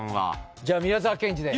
じゃあ宮沢賢治で。